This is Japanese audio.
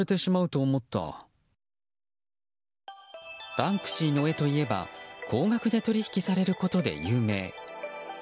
バンクシーの絵といえば高額で取引されることで有名。